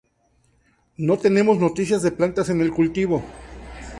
No tenemos noticias de plantas en el cultivo.